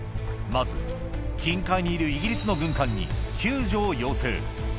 まず近海にいるイギリスの軍艦に救助を要請